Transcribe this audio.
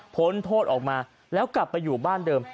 พ้นโทษออกมาแล้วกลับไปอยู่บ้านเดิม